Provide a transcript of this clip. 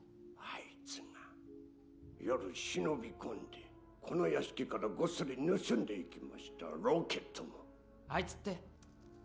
あいつが夜忍び込んでこの屋敷からごっそり盗んでいきましたロケットもあいつって？